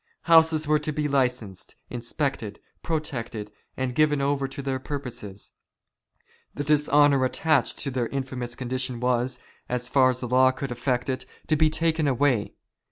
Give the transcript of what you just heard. Houses were to be licensed, inspected, protected, and given over to their purposes. The dishonour attached to their infamous condition was, so far as the law could effect it, to be taken away.